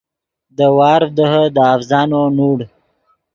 دے وارڤ دیہے دے اڤزانو نوڑ